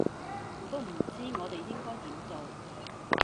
我都唔知我哋應該點做